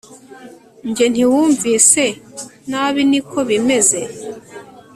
Njye ntiwumvise nabi niko bimeze